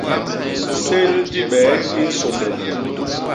Sél dibee i nsômbla.